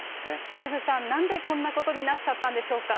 デーブさん、なんで、こんなことになっちゃったんでしょうか。